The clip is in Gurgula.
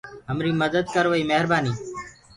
همري مدد ڪروآڪي مهربآنيٚ۔